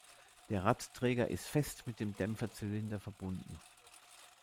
Der Radträger ist fest mit dem Dämpfer-Zylinder verbunden.